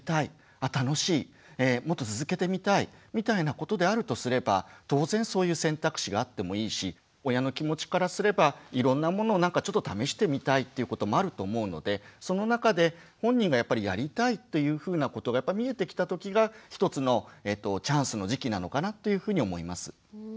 楽しいもっと続けてみたいみたいなことであるとすれば当然そういう選択肢があってもいいし親の気持ちからすればいろんなものを何かちょっと試してみたいっていうこともあると思うのでその中で本人がやっぱりやりたいというふうなことが見えてきた時が一つのチャンスの時期なのかなというふうに思います。